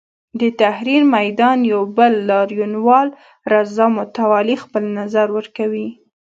د تحریر میدان یو بل لاریونوال رضا متوالي خپل نظر ورکوي.